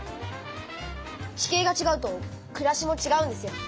地形がちがうとくらしもちがうんですよ。